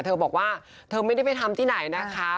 เธอบอกว่าเธอไม่ได้ไปทำที่ไหนนะคะ